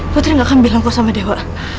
putri gak akan bilang sama dewa